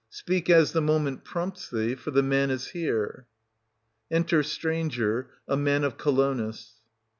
Speak as the moment prompts thee, for the man is here. Enter STRANGER (a man of Colonus).